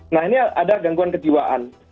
nah ini ada gangguan kejiwaan